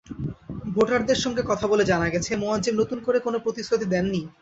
ভোটারদের সঙ্গে কথা বলে জানা গেছে, মোয়াজ্জেম নতুন করে কোনো প্রতিশ্রুতি দেননি।